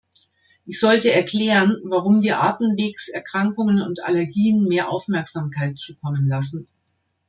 Ich sollte erklären, warum wir Atemwegserkrankungen und Allergien mehr Aufmerksamkeit zukommen lassen.